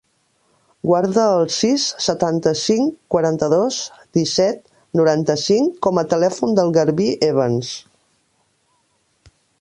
Guarda el sis, setanta-cinc, quaranta-dos, disset, noranta-cinc com a telèfon del Garbí Evans.